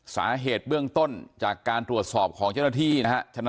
สาเหตุเบื้องต้นจากการตรวจสอบของเจ้าหน้าที่นะฮะ